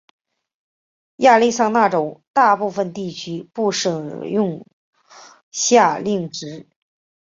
亚利桑那州大部分地区不使用夏令时。